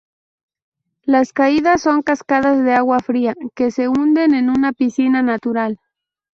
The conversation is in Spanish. Las caídas son cascadas de agua fría que se hunden en una piscina natural.